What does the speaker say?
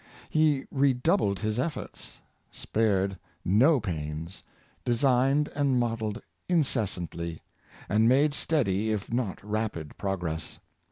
*" He redoubled his efforts, spared no pains, designed and modelled incessantly, and made steady if not rapid progress.